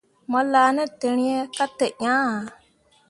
Mo laa ne tǝrîi ka te ŋaa ah.